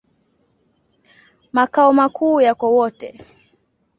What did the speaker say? Makao makuu yako Wote.